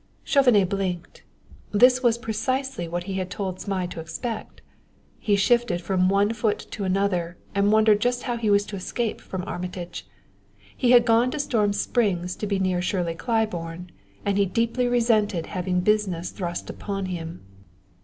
Chauvenet blinked. This was precisely what he had told Zmai to expect. He shifted from one foot to another, and wondered just how he was to escape from Armitage. He had gone to Storm Springs to be near Shirley Claiborne, and he deeply resented having business thrust upon him.